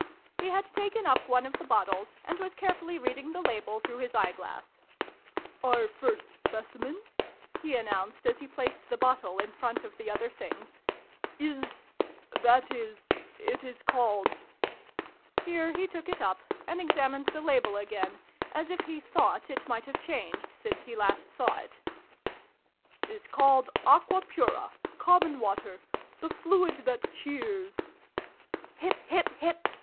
He had taken up one of the bottles, and was carefully reading the label through his eye glass. " Our first Specimen " he announced, as he placed the xxi] THE PROFESSOR'S LECTURE. 333 bottle in front of the other Things, " is that is, it is called " here he took it up, and examined the label again, as if he thought it might have changed since he last saw it, " is called Aqua Pura common water the fluid that cheers " "Hip! Hip! Hip!"